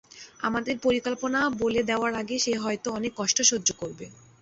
আমাদের পরিকল্পনা বলে দেওয়ার আগে সে হয়তো অনেক কষ্ট সহ্য করবে!